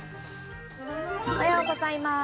◆おはようございます。